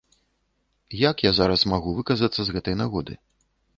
Як я зараз магу выказацца з гэтай нагоды?